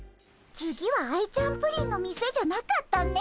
次はアイちゃんプリンの店じゃなかったね。